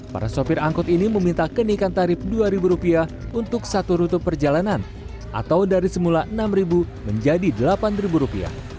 para sopir angkut ini meminta kenaikan tarif rp dua untuk satu rute perjalanan atau dari semula rp enam menjadi rp delapan